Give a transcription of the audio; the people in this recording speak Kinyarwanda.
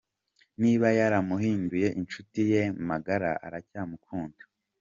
Niba yaramuhinduye inshuti ye magara, aracyamukunda.